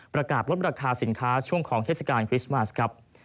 ประกาศลดราคาสินค้าช่วงของเทศกาลคริสต์มาสครับ